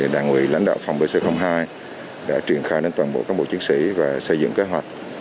đảng ủy lãnh đạo phòng bc hai đã triển khai đến toàn bộ các bộ chiến sĩ và xây dựng kế hoạch